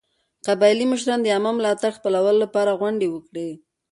قبایلي مشرانو د عامه ملاتړ خپلولو لپاره غونډې وکړې.